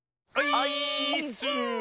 オイーッス！